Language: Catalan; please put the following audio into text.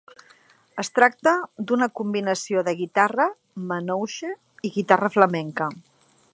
Es tracta d’una combinació de guitarra ‘manouche’ i guitarra flamenca.